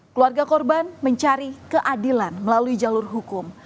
keluarga korban mencari keadilan melalui jalur hukum